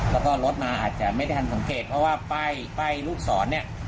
แล้วก็รถมาอาจจะไม่ได้ทันสังเกตเพราะว่าป้ายป้ายลูกศรเนี่ย